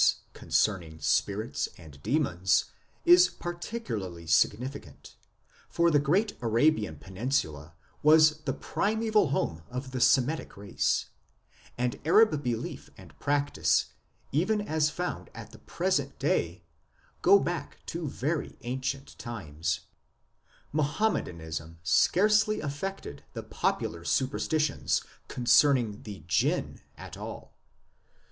26 IMMORTALITY AND THE UNSEEN WORLD concerning spirits and demons is particularly significant, for the great Arabian peninsula was the primeval home of the Semitic race, 1 and Arab belief and practice, even as found at the present day, go back to very ancient times ; Muhammadanism scarcely affected the popular superstitions concerning the Jinn at all.